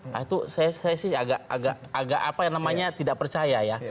nah itu saya sih agak apa namanya tidak percaya ya